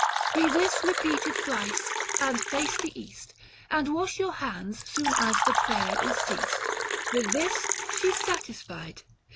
133 Be this repeated thrice, and face the East, And wash your hands soon as the prayer is ceased. With this, she's satisfied.